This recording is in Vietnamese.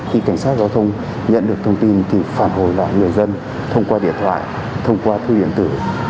khi cảnh sát giao thông nhận được thông tin thì phản hồi lại người dân thông qua điện thoại thông qua thư điện tử